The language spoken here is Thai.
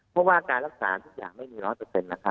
เพราะว่าการรักษาทุกอย่างไม่มี๑๐๐นะครับ